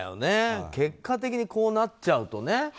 結果的にこうなっちゃうとね。